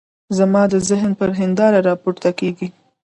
زما د ذهن پر هنداره را پورته کېږي.